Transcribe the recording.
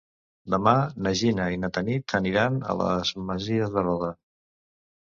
Demà na Gina i na Tanit aniran a les Masies de Roda.